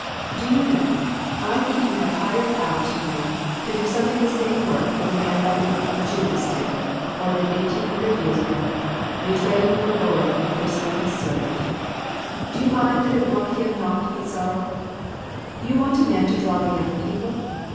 Do you know, I think you have hired out to him to do something the same work that a man by the name of Judas did, more than eighteen hundred years ago betraying your Lord in the person of his servant. Do you mind that it brought him naught but sorrow ? You want a man to draw the young people